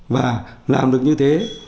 và làm được như thế